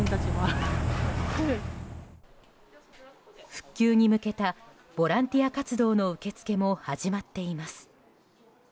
復旧に向けたボランティア活動の受け付けも始まっています。